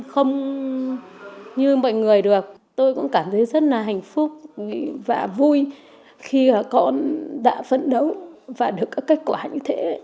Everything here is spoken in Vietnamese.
không như mọi người được tôi cũng cảm thấy rất là hạnh phúc và vui khi đã phấn đấu và được các kết quả như thế